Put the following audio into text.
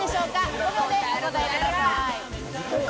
５秒でお答えください。